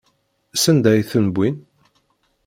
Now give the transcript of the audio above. Sanda ay ten-wwin?